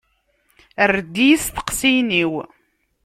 Err-d i yisteqsiyen-iw.